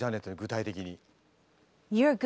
具体的に。